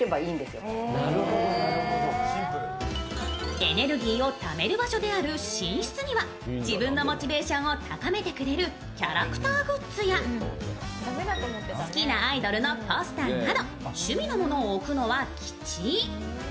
エネルギーをためる場所である寝室には自分のモチベーションを高めてくれるキャラクターグッズや、好きなアイドルのポスターなど、趣味のものを置くのは吉。